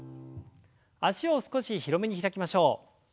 脚を少し広めに開きましょう。